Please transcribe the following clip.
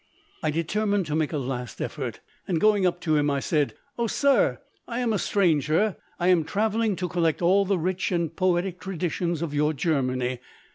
I determined to make a last effort, and going up to him, I said, "Oh, sir, I am a stranger; I am travelling to collect all the rich and poetic traditions of your Germany.